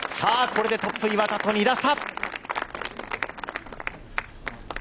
これでトップ岩田と２打差。